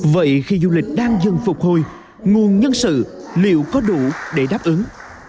vậy khi du lịch đang dần phục hồi nguồn nhân sự liệu có đủ để đáp ứng